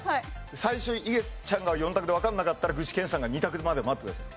最初にいげちゃんが４択でわかんなかったら具志堅さんが２択まで待ってください。